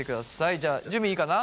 じゃあ準備いいかな？